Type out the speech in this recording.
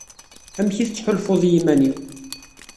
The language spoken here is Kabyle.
Amek i tettḥulfuḍ i yiman-im?